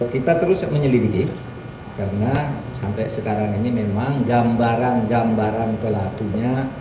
kita terus menyelidiki karena sampai sekarang ini memang gambaran gambaran pelakunya